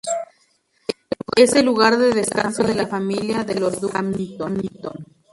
Es el lugar de descanso de la familia de los duques de Hamilton.